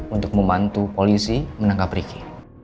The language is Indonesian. untuk membantu polisi menangkap riki